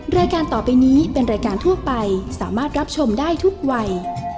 รายการต่อไปนี้เป็นรายการทั่วไปสามารถรับชมได้ทุกวัย